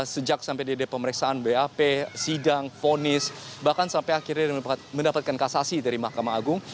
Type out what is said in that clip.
sejak sampai di pemeriksaan bap sidang fonis bahkan sampai akhirnya mendapatkan kasasi dari mahkamah agung